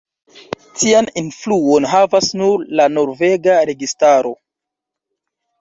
Tian influon havas nur la norvega registaro.